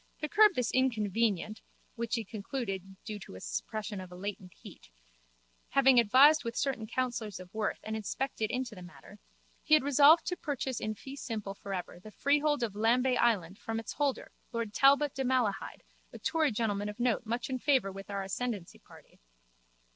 To curb this inconvenient (which he concluded due to a suppression of latent heat), having advised with certain counsellors of worth and inspected into this matter, he had resolved to purchase in fee simple for ever the freehold of Lambay island from its holder, lord Talbot de Malahide, a Tory gentleman of note much in favour with our ascendancy party.